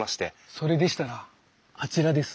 それでしたらあちらです。